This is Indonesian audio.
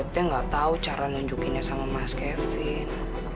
alda t gak tahu cara nunjukinnya sama mas kevin